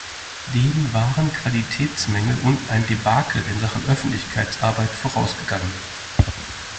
Dem waren Qualitätsmängel und ein Debakel in Sachen Öffentlichkeitsarbeit vorausgegangen.